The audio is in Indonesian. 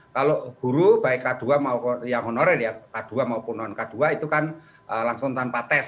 kalau guru baik k dua maupun non k dua itu kan langsung tanpa tes